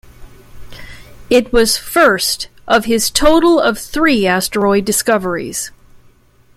It was first of his total of three asteroid discoveries.